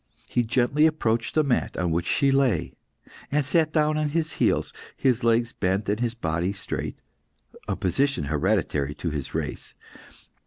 He gently approached the mat on which she lay, and sat down on his heels, his legs bent and his body straight a position hereditary to his race.